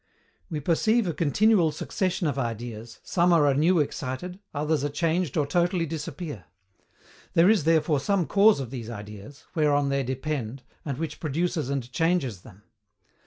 We perceive a continual succession of ideas, some are anew excited, others are changed or totally disappear. There is therefore some cause of these ideas, whereon they depend, and which produces and changes them.